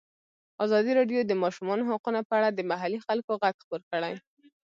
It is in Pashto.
ازادي راډیو د د ماشومانو حقونه په اړه د محلي خلکو غږ خپور کړی.